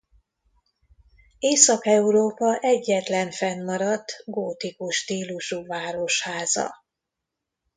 Észak-Európa egyetlen fennmaradt gótikus stílusú városháza.